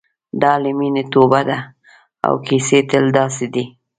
دا له مینې توبه ده او کیسې تل داسې دي.